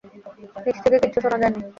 নিচ থেকে কিচ্ছু শোনা যায়নি।